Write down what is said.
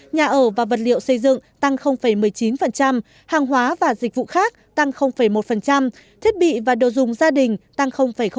nhà ở và vật liệu xây dựng tăng một mươi chín hàng hóa và dịch vụ khác tăng một thiết bị và đồ dùng gia đình tăng ba